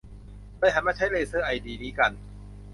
เลยหันมาใช้เลเซอร์ไอดีนี้กัน